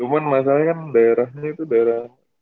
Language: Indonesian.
boleh boleh cuma masalahnya kan daerahnya itu daerah